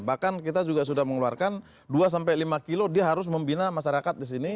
bahkan kita juga sudah mengeluarkan dua sampai lima kilo dia harus membina masyarakat di sini